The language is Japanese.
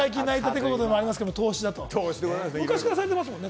投資だと、昔からされてますもんね。